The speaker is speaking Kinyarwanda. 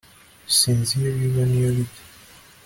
sinzi iyo biva n'iyo bijya